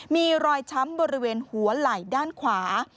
มีรอยช้ำบริเวณหัวไหล่ด้านขวา